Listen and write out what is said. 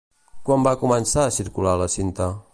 Quan va començar a circular la cinta?